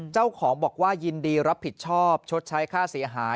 เจ้าของบอกว่ายินดีรับผิดชอบชดใช้ค่าเสียหาย